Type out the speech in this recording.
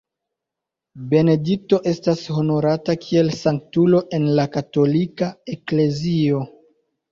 Benedikto estas honorata kiel sanktulo en la katolika eklezio.